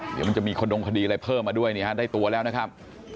เดี๋ยวมันจะมีขดงคดีอะไรเพิ่มมาด้วยเนี่ยฮะได้ตัวแล้วนะครับ